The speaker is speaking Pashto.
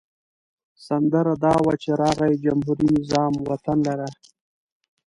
سندره دا وه چې راغی جمهوري نظام وطن لره.